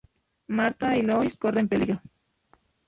Martha y Lois corren peligro.